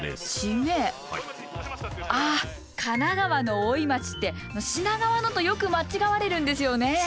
あ神奈川の大井町って品川のとよく間違われるんですよね。